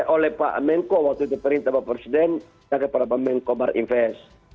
oleh pak menko waktu itu perintah bapak presiden kepada pak menko marinves